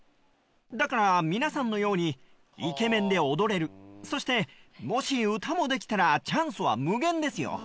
だから皆さんのようにイケメンで踊れるそしてもし歌もできたらチャンスは無限ですよ。